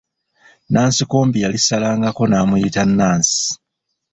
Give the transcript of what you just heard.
Nansikombi yalisalangako n'amuyita Nansi.